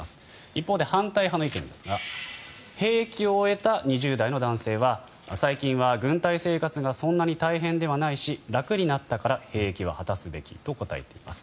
一方で反対派の意見ですが兵役を終えた２０代の男性は最近は軍隊生活がそんなに大変ではないし楽になったから兵役は果たすべきと答えています。